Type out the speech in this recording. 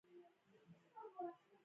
ننګرهار د افغان ښځو په ژوند کې رول لري.